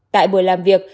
tại buổi làm việc